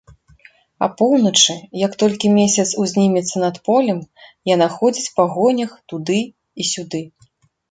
Апоўначы, як толькі месяц узнімецца над полем, яна ходзіць па гонях туды і сюды.